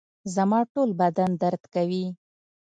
زما ټوله بدن درد کوي